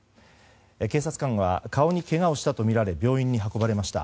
警察官は顔にけがをしたとみられ病院に運ばれました。